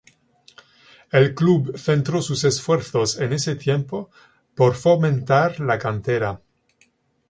El club centró sus esfuerzos en ese tiempo por fomentar la cantera.